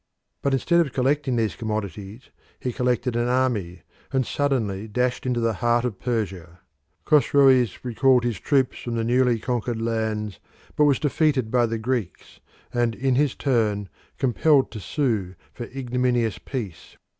But instead of collecting these commodities he collected an army, and suddenly dashed into the heart of Persia. Chosroes recalled his troops from the newly conquered lands, but was defeated by the Greeks, and was in his turn compelled to sue for ignominious peace.